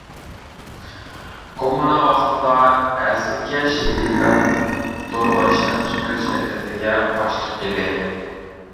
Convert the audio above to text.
كوممۇنا ۋاقتىدا، ھەزىلكەش دىلبەر دورغا ئىشلەپچىقىرىش ئەترىتىگە باشلىق ئىدى.